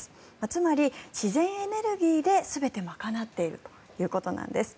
つまり、自然エネルギーで全て賄っているということなんです。